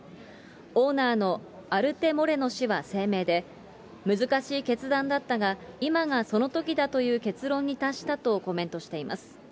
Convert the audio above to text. オーナーのアルテ・モレノ氏は声明で、難しい決断だったが、今がそのときだという結論に達したとコメントしています。